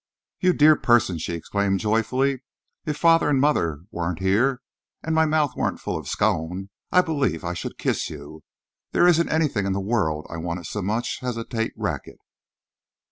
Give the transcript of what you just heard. "You dear person!" she exclaimed joyfully. "If father and mother weren't here, and my mouth weren't full of scone, I believe I should kiss you. There isn't anything in the world I wanted so much as a Tate racquet."